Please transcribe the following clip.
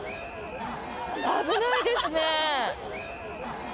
危ないですね。